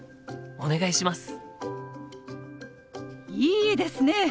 いいですね！